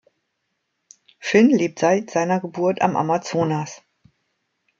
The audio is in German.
Finn lebt seit seiner Geburt am Amazonas.